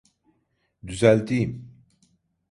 Düzelteyim.